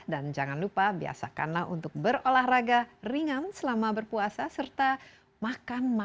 dan jangan lupa biasakanlah untuk berolahraga ringan selama berpuasa serta makan makanan yang terbaik